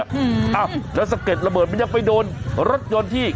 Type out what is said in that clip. อ้าวแล้วสะเก็ดระเบิดมันยังไปโดนรถยนต์ที่